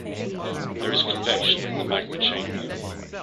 There is convection in the magma chamber.